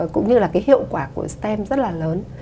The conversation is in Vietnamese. cũng như là cái hiệu quả của stem rất là lớn